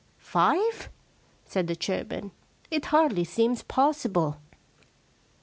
* Five ?' said the chairman. * It hardly seems possible.'